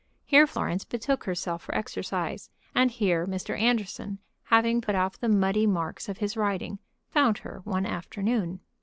Here Florence betook herself for exercise, and here Mr. Anderson, having put off the muddy marks of his riding, found her one afternoon.